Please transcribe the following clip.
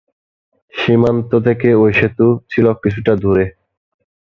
সীমান্ত থেকে ওই সেতু ছিল কিছুটা দূরে।